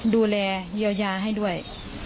ดูแลยาวยาวให้ด้วย